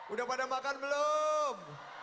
udah pada makan belum